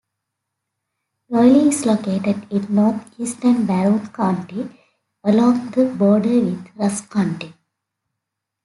Doyle is located in northeastern Barron County, along the border with Rusk County.